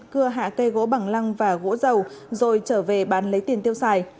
cưa hạ cây gỗ bằng lăng và gỗ dầu rồi trở về bán lấy tiền tiêu xài